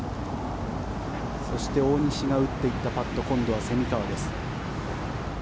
そして大西が打っていったパット今度は蝉川です。